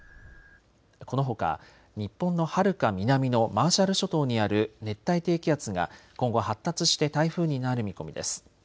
このほか日本のはるか南のマーシャル諸島にある熱帯低気圧が今後、発達して台風になる見込みです。